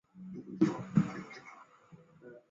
指的是于观看过后产生依赖现象的观众。